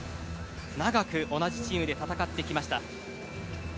長く同じチームで戦ってきました。